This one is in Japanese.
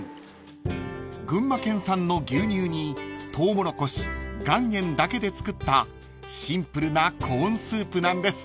［群馬県産の牛乳にトウモロコシ岩塩だけで作ったシンプルなコーンスープなんです］